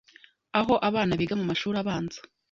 aho abana biga mu mashuri abanza